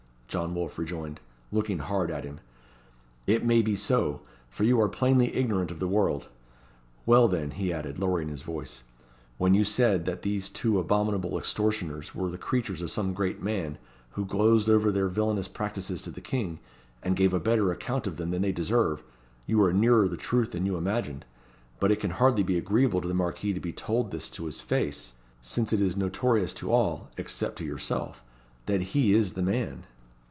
John Wolfe rejoined, looking hard at him. "It may be so, for you are plainly ignorant of the world. Well, then," he added, lowering his tone, "when you said that these two abominable extortioners were the creatures of some great man, who glozed over their villainous practices to the King, and gave a better account of them than they deserve, you were nearer the truth than you imagined; but it could hardly be agreeable to the Marquis to be told this to his face, since it is notorious to all (except to yourself) that he is the man."